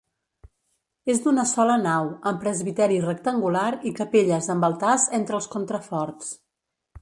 És d'una sola nau amb presbiteri rectangular i capelles amb altars entre els contraforts.